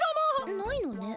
ないのね。